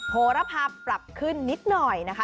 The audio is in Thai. โหระพาปรับขึ้นนิดหน่อยนะคะ